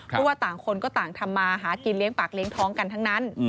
เพราะว่าต่างคนก็ต่างทำมาหากินเลี้ยงปากเลี้ยงท้องกันทั้งนั้น